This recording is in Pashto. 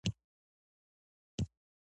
اورېدنه یوازې د اورېدو سیستم کاروي